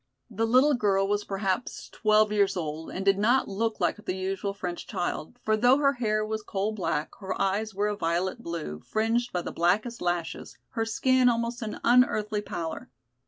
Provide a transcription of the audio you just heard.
The little girl was perhaps twelve years old and did not look like the usual French child, for though her hair was coal black, her eyes were a violet blue, fringed by the blackest lashes, her skin almost an unearthly pallor.